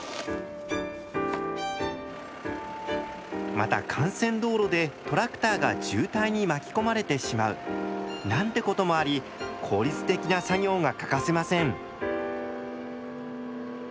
また幹線道路でトラクターが渋滞に巻き込まれてしまうなんてこともあり効率的な作業が欠かせません。